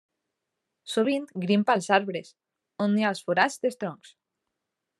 Sovint grimpa als arbres, on nia als forats dels troncs.